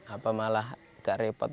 apa malah agak repot